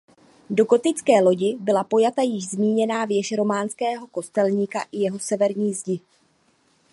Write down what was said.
Do gotické lodi byla pojata již zmíněná věž románského kostelíka i jeho severní zdi.